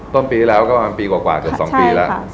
ต้นปีที่แล้วก็ปีกว่าจน๒ปีแล้ว